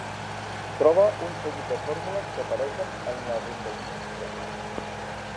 Trobe un seguit de fórmules que apareixen en la rondallística.